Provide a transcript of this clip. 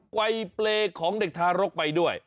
ไกลเปรย์ของเด็กทารกไปด้วย